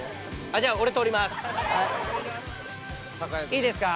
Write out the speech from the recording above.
いいですか？